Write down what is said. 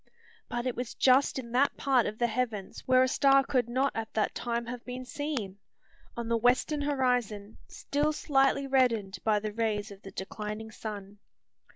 But it was just in that part of the heavens where a star could not at that time have been seen, on the western horizon, still slightly reddened by the rays of the declining sun.